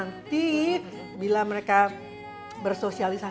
keaturannya adalah semuanya serba begi semua